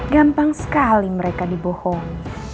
gampang sekali mereka dibohong